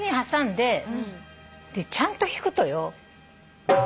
でちゃんと弾くとよ。